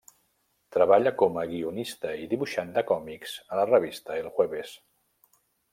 Treballa com a guionista i dibuixant de còmics a la revista El Jueves.